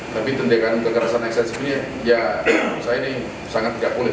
tapi tindakan kekerasan eksensif ini ya menurut saya ini sangat tidak boleh